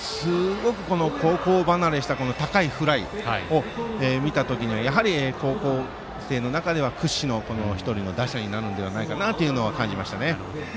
高校生離れした高いフライを見た時にはやはり高校生の中では屈指の１人の打者になるのではないかなと感じました。